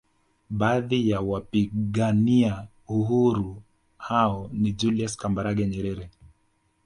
Baadhi ya wapigania uhuru hao ni Julius Kambarage Nyerere